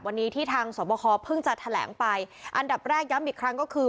วันนี้ที่ทางสวบคอเพิ่งจะแถลงไปอันดับแรกย้ำอีกครั้งก็คือ